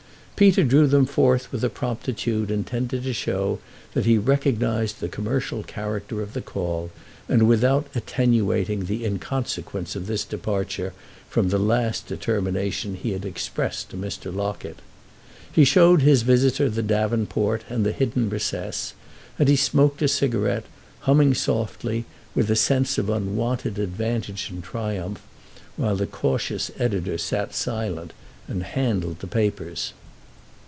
Peter drew them forth with a promptitude intended to show that he recognised the commercial character of the call and without attenuating the inconsequence of this departure from the last determination he had expressed to Mr. Locket. He showed his visitor the davenport and the hidden recess, and he smoked a cigarette, humming softly, with a sense of unwonted advantage and triumph, while the cautious editor sat silent and handled the papers.